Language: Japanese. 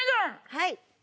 はい。